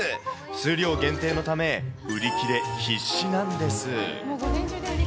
数量限定のため、売り切れ必至なんです。